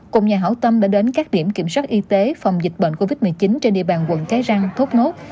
cùng nhà hảo tâm đã đến các điểm kiểm soát y tế phòng dịch bệnh covid một mươi chín trên địa bàn quận cái răng thốt nốt